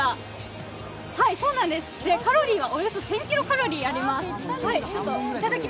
カロリーは、およそ１０００ｋｃａｌあります。